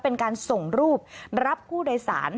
เป็นการส่งรูปรับผู้โดยสาร